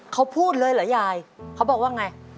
เขาพูดเลยเหรอยายเขาบอกว่าไง